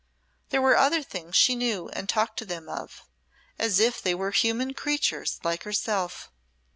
There were other things she knew and talked to them of, as if they were human creatures like herself.